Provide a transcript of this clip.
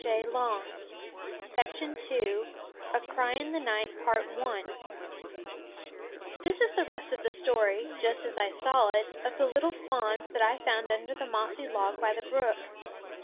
A Cry in the Night This is the rest of the story, just as I saw it, of the little fawns that I found under the mossy log by the brook.